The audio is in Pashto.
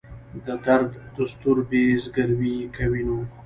د درد دستور به زګیروی کوي نو.